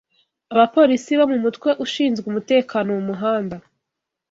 Abapolisi bo mu mutwe ushinzwe umutekano mu muhanda